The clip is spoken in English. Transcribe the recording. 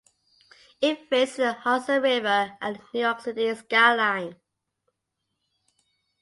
It faces the Hudson River and the New York City skyline.